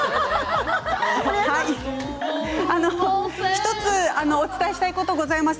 １つ、お伝えしたいことがございます。